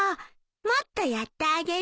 もっとやってあげる。